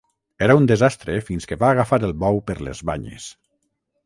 Era un desastre fins que va agafar el bou per les banyes